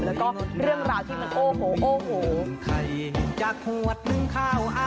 แล้วก็เรื่องราวที่มันโอ้โห